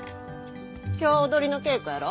今日踊りの稽古やろ。